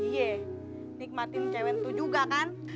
iya nikmatin cewek itu juga kan